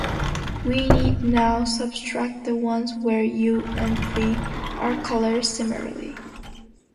We need now subtract the ones where "u" and "v" are colored similarly.